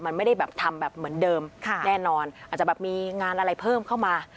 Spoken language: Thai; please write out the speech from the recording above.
มันไม่ได้แบบทำแบบเหมือนเดิมแน่นอนอาจจะแบบมีงานอะไรเพิ่มเข้ามา